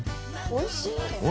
おいしい。